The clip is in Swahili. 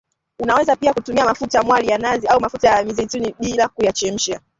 Unaweza pia kutumia mafuta mwali ya nazi au mafuta ya mizeituni bila kuyachemsha